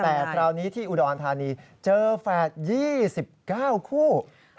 แต่คราวนี้ที่อุดรธานีเจอแฝด๒๙คู่